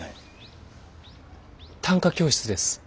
短歌教室です。